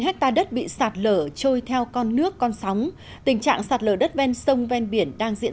hai hectare đất bị sạt lở trôi theo con nước con sóng tình trạng sạt lở đất ven sông ven biển đang diễn